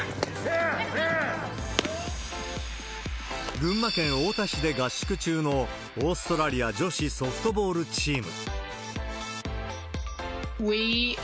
群馬県太田市で合宿中のオーストラリア女子ソフトボールチーム。